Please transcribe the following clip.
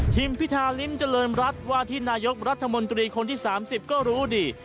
พิธาริมเจริญรัฐว่าที่นายกรัฐมนตรีคนที่๓๐ก็รู้ดี